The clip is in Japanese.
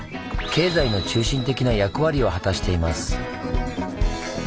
経済の中心的な役割を果たしています。